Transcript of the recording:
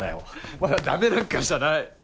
お前は駄目なんかじゃない。